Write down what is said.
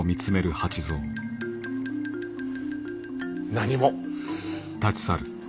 何も。